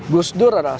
gus dur adalah